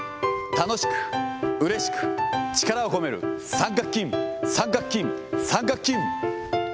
楽しく、うれしく、力を込める三角筋、三角筋、三角筋。